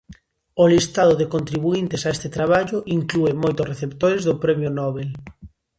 O listado de contribuíntes a este traballo inclúe moitos receptores do Premio Nobel.